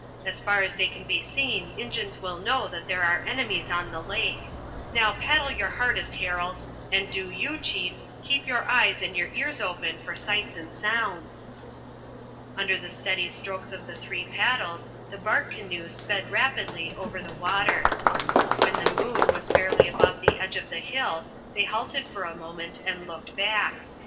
As far as they can be seen Injuns will know that there are enemies on the lake. Now, paddle your hardest, Harold, and do you, chief, keep your eyes and your ears open for sights and sounds." Under the steady strokes of the three paddles the bark canoe sped rapidly over the water. When the moon was fairly above the edge of the hill they halted for a moment and looked back.